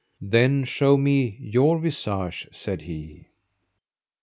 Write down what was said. Then show me your visage, said he.